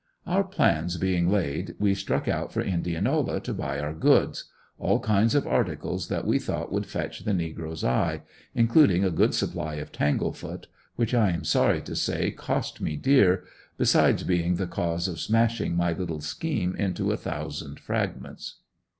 Our plans being laid we struck out for Indianola to buy our goods all kinds of articles that we thought would catch the negro's eye, including a good supply of tanglefoot which I am sorry to say cost me dear, besides being the cause of smashing my little scheme into a thousand fragments.